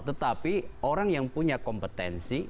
tetapi orang yang punya kompetensi